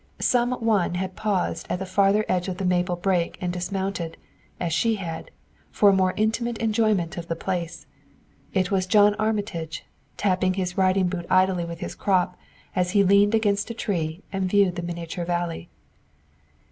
Some one had paused at the farther edge of the maple brake and dismounted, as she had, for a more intimate enjoyment of the place. It was John Armitage, tapping his riding boot idly with his crop as he leaned against a tree and viewed the miniature valley.